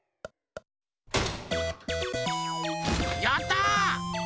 やった！